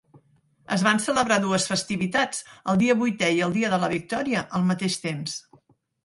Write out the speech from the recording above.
Es van celebrar dues festivitats, el Dia vuitè i el Dia de la victòria, al mateix temps.